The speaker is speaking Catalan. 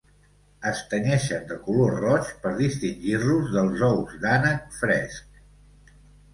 Es tenyeixen de color roig per distingir-los dels ous d'ànec fresc.